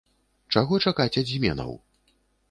Чаго чакаць ад зменаў?